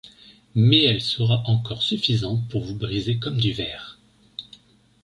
Mais elle sera encore suffisante pour vous briser comme du verre !